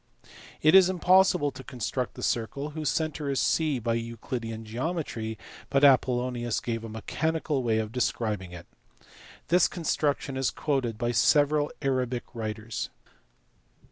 It is impossible to construct the circle whose centre is C by Euclidean geometry, but Apollonius gave a mechanical way of describing it. This construction is quoted by several Arabic writers.